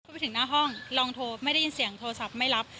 ไปถึงหน้าห้องลองโทรไม่ได้ยินเสียงโทรศัพท์ไม่รับ